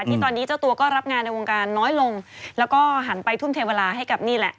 ที่ตอนนี้เจ้าตัวก็รับงานในวงการน้อยลงแล้วก็หันไปทุ่มเทเวลาให้กับนี่แหละ